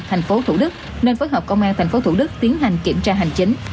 tp thủ đức nên phối hợp công an tp thủ đức tiến hành kiểm tra hành chính